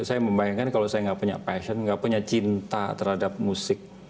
saya membayangkan kalau saya nggak punya passion nggak punya cinta terhadap musik